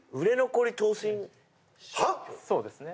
はっ⁉そうですね。